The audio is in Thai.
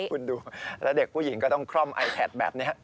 คุณดูแล้วเด็กผู้หญิงก็ต้องคล่อมไอแท็กแบบนี้